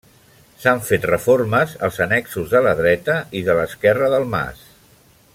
S’han fet reformes als annexos de la dreta i de l’esquerra del mas.